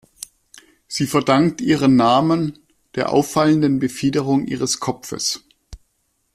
Sie verdankt ihren Namen der auffallenden Befiederung ihres Kopfes.